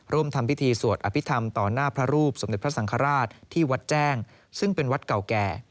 ทำพิธีสวดอภิษฐรรมต่อหน้าพระรูปสมเด็จพระสังฆราชที่วัดแจ้งซึ่งเป็นวัดเก่าแก่